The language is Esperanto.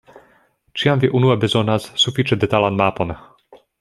Ĉiam vi unue bezonas sufiĉe detalan mapon.